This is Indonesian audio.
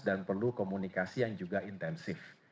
dan perlu komunikasi yang juga intensif